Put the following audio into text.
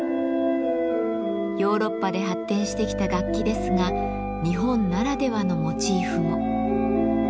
ヨーロッパで発展してきた楽器ですが日本ならではのモチーフも。